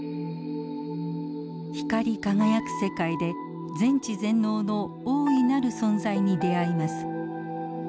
光り輝く世界で全知全能の大いなる存在に出会います。